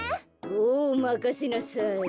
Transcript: おまかせなさい。